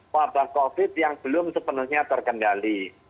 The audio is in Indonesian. wabah covid yang belum sepenuhnya terkendali